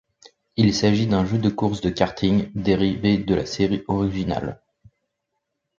Il s'agit d'un jeu de course de karting dérivé de la série originale.